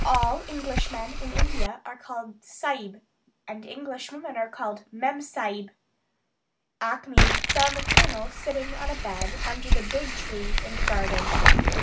All Englishmen in India are called Sahib and English women are called Mem sahib. Achmed found the Colonel sitting on a bed under a big tree in the garden.